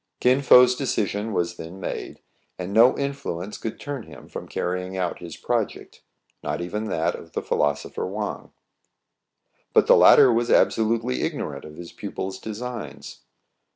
Kin Fo's decision was then made; and no influ ence could turn him from carrying out his project, not even that of the philosopher Wang. But the latter was absolutely ignorant of his pupil's designs.